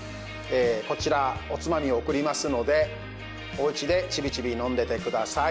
こちらおつまみおくりますのでお家でちびちび飲んでてください。